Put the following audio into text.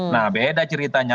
nah beda ceritanya